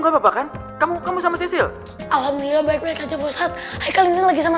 kamu sama sesuai alhamdulillah baik baik aja bosat hai kalian lagi sama